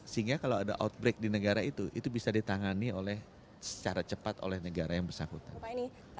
sehingga kalau ada outbreak di negara itu itu bisa ditangani oleh secara cepat oleh negara yang bersangkutan